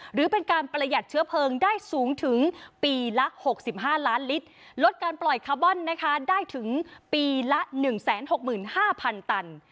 หรือเป็นการประหยัดเชื้อเพลิงได้สูงถึงปีละ๖๕ล้านลิตรลดการปล่อยคาร์บอนนะคะได้ถึงปีละ๑๖๕๐๐๐ตัน